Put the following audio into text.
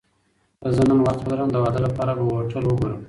که زه نن وخت ولرم، د واده لپاره به هوټل وګورم.